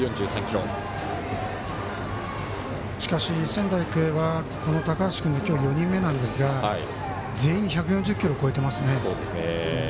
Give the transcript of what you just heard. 仙台育英は高橋君で今日４人目なんですが全員１４０キロ超えていますね。